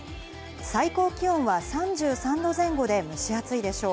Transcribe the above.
最高気温は３３度前後で、蒸し暑いでしょう。